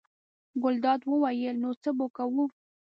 ګلداد وویل: نو څه به کوو.